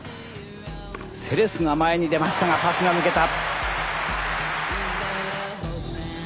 セレスが前に出ましたがパスが抜けた。